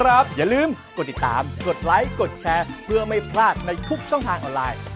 โอ้โฮโอ้โฮโอ้โฮ